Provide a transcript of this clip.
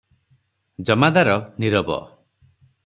ଜମାଦାର ନୀରବ ।